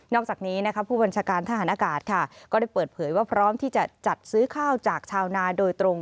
อกจากนี้ผู้บัญชาการทหารอากาศก็ได้เปิดเผยว่าพร้อมที่จะจัดซื้อข้าวจากชาวนาโดยตรง